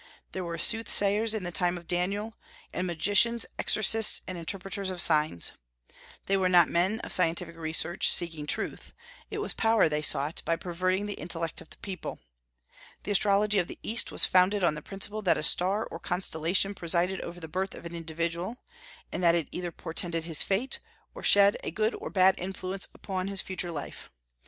There were soothsayers in the time of Daniel, and magicians, exorcists, and interpreters of signs. They were not men of scientific research, seeking truth; it was power they sought, by perverting the intellect of the people. The astrology of the East was founded on the principle that a star or constellation presided over the birth of an individual, and that it either portended his fate, or shed a good or bad influence upon his future life.